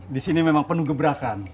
di sini memang penuh gebrakan